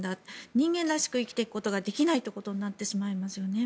人間らしく生きていくことができないことになってしまいますよね。